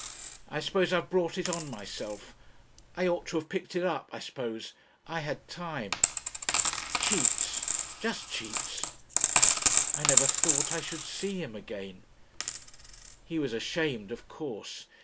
"I suppose I've brought it on myself. I ought to have picked it up, I suppose. I had time.... "Cheats ... just cheats. "I never thought I should see him again.... "He was ashamed, of course....